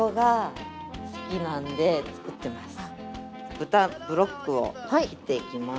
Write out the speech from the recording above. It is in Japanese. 豚ブロックを切っていきます。